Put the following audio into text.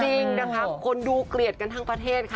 จริงนะคะคนดูเกลียดกันทั้งประเทศค่ะ